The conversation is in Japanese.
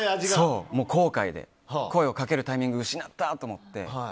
後悔で、声をかけるタイミング失ったって思って。